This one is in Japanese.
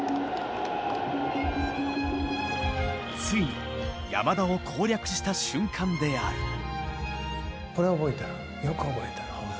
ついに山田を攻略した瞬間である。